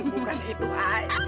bukan itu aja